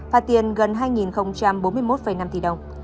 phạt tiền gần hai bốn mươi một năm tỷ đồng